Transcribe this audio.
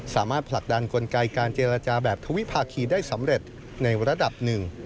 สามารถผลักดันกลไกการเจรจาแบบทวิภาคีได้สำเร็จในระดับหนึ่ง